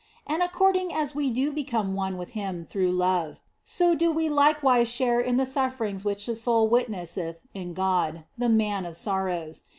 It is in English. And according as we do become one with Him through love, so do we likewise share in the sufferings which the soul witnesseth in God, the Man of Sorrows.